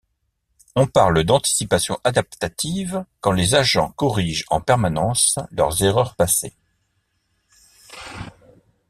On parle d'anticipations adaptatives quand les agents corrigent en permanence leurs erreurs passées.